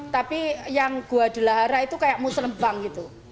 tapi yang gua di lahara itu kayak muselembang gitu